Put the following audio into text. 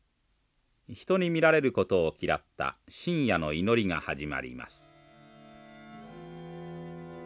人に見られることを嫌った深夜の祈りが始まります。